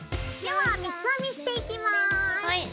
はい。